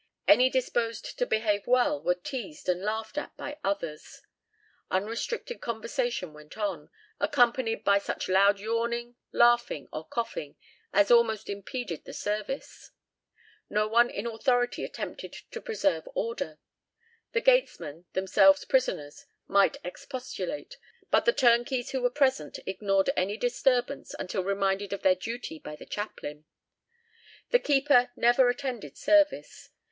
Any disposed to behave well were teased and laughed at by others. Unrestricted conversation went on, accompanied by such loud yawning, laughing, or coughing as almost impeded the service. No one in authority attempted to preserve order; the gatesmen, themselves prisoners, might expostulate, but the turnkeys who were present ignored any disturbance until reminded of their duty by the chaplain. The keeper never attended service.